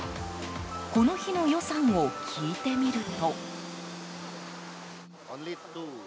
この日の予算を聞いてみると。